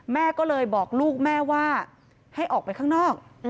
แม่ก็เลยบอกลูกแม่ว่าให้ออกไปข้างนอก